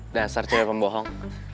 dasar cewek pembohong